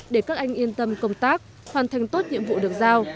để các anh yên tâm công tác hoàn thành tốt nhiệm vụ được giao